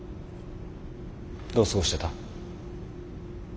どう過ごしてた？